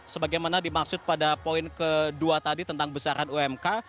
sebagaimana dimaksud pada poin kedua tadi tentang besaran umk